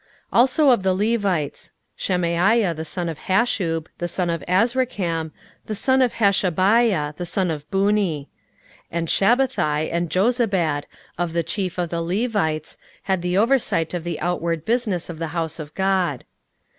16:011:015 Also of the Levites: Shemaiah the son of Hashub, the son of Azrikam, the son of Hashabiah, the son of Bunni; 16:011:016 And Shabbethai and Jozabad, of the chief of the Levites, had the oversight of the outward business of the house of God.